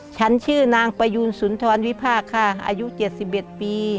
ฉันชื่อนางปยูนสุนธรณวิภาคอายุ๗๑ปี